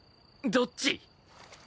どっち？